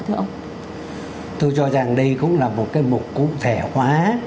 tôi cho rằng đây cũng là một cái mục cụ thể hóa